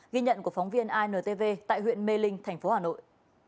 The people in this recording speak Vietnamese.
ghi nhận của phóng viên intv tại huyện mê linh thành phố hà nội